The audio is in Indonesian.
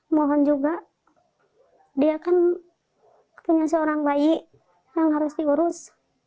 mohon juga dia kan punya seorang bayi yang harus diurus